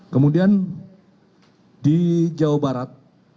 kemudian di jawa barat